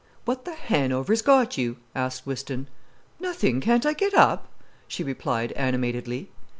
"What the Hanover's got you?" asked Whiston. "Nothing. Can't I get up?" she replied animatedly.